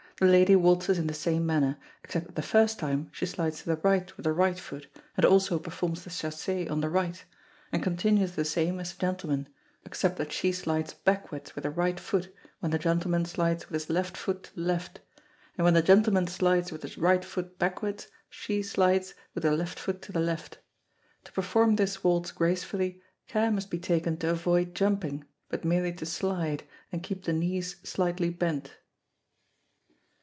The lady waltzes in the same manner, except that the first time she slides to the right with the right foot, and also performs the chassez on the right, and continues the same as the gentleman, except that she slides backwards with her right foot when the gentleman slides with his left foot to the left; and when the gentleman slides with his right foot backwards, she slides with the left foot to the left. To perform this waltz gracefully, care must be taken to avoid jumping, but merely to slide, and keep the knees slightly bent.